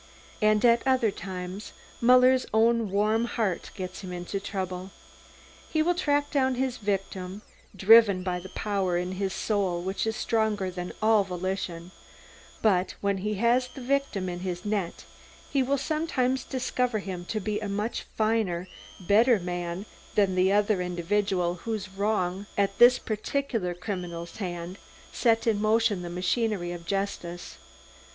And at other times, Muller's own warm heart gets him into trouble. He will track down his victim, driven by the power in his soul which is stronger than all volition; but when he has this victim in the net, he will sometimes discover him to be a much finer, better man than the other individual, whose wrong at this particular criminal's hand set in motion the machinery of justice.